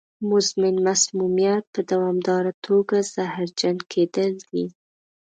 مزمن مسمومیت په دوامداره توګه زهرجن کېدل دي.